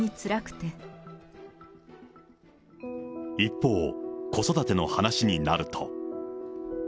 一方、子育ての話になると。